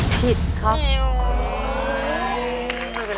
ผิดครับ